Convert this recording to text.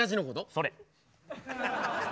それ。